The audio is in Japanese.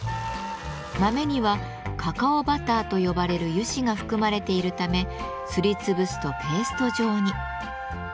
豆には「カカオバター」と呼ばれる油脂が含まれているためすりつぶすとペースト状に。